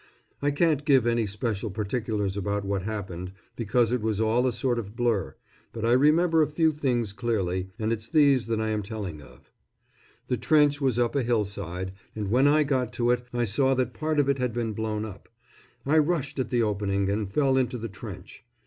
I can't give any special particulars about what happened, because it was all a sort of blur, but I remember a few things clearly, and it's these that I am telling of. The trench was up a hillside, and when I got to it I saw that part of it had been blown up. I rushed at the opening, and fell into the trench.